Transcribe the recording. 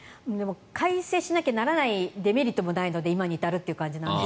改正しなきゃならないデメリットもないので今に至るという感じなんです。